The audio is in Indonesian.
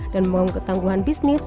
dan membangun ketangguhan bisnis